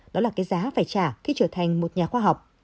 đó là cái giá phải trả khi trở thành một nhà khoa học